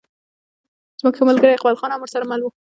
زموږ ښه ملګری اقبال خان هم ورسره مل و.